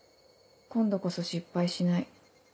「今度こそ失敗しない。